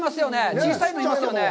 小さいのがいますよね？